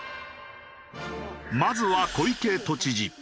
まずは小池都知事。